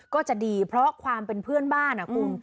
ก็จะดีเพราะความเป็นเพื่อนบ้านคุณ